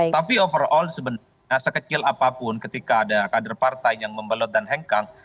tapi overall sebenarnya sekecil apapun ketika ada kader partai yang membelot dan hengkang